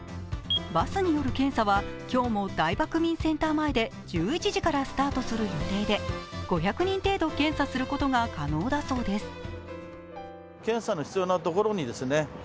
バスによる検査は今日も台場区民センター前で１１時からスタートする予定で５００人程度検査することが可能だそうです。